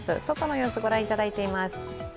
外の様子、御覧いただいています。